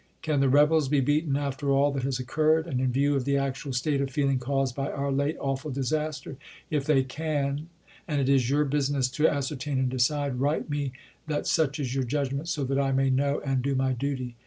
Can the rebels be beaten after all that has occurred, and in view of the actual state of feeling caused by our late, awful disaster ? If they can, — and it is your business to ascertain and decide, — write me that such is your judg ment, so that I may know and do my duty.